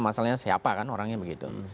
masalahnya siapa kan orangnya begitu